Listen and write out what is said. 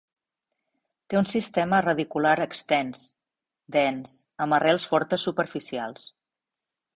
Té un sistema radicular extens, dens, amb arrels fortes superficials.